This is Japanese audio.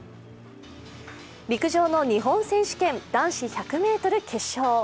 陸上の日本選手権男子１００ｍ決勝。